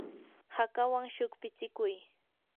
hakawan shuqpitsikuy.